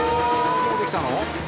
もうできたの？